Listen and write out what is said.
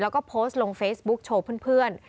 แล้วก็โพสต์ลงเฟซบุ๊กโชว์เพื่อน